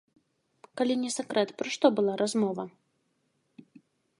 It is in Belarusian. Калі не сакрэт, пра што была размова?